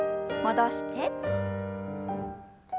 戻して。